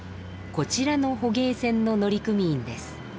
こちらの捕鯨船の乗組員です。